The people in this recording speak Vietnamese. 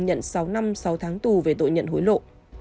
nhận sáu năm sáu tháng tù về tội nhận hối lộ